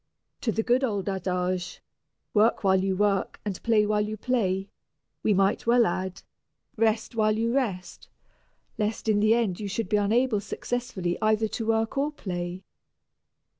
To the good old adage, "Work while you work and play while you play," we might well add, "Rest while you rest," lest in the end you should be unable successfully either to work or play.